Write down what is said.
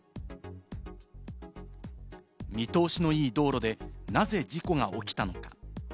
見通しのいい道路でなぜ事故が起きたのか？